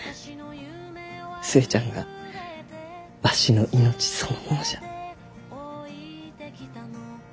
寿恵ちゃんがわしの命そのものじゃ。